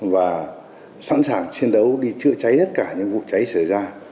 và sẵn sàng chiến đấu đi chữa cháy tất cả những vụ cháy xảy ra